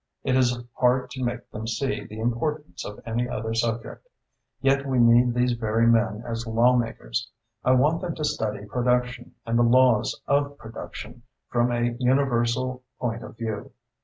It is hard to make them see the importance of any other subject. Yet we need these very men as lawmakers. I want them to study production and the laws of production from a universal point of view."